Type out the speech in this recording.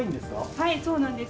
はい、そうなんです。